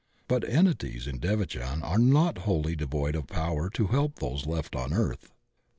But entities in devachan are not wholly devoid of power to help those left on earth.